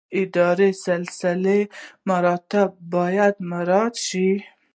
اداري سلسله مراتب باید مراعات شي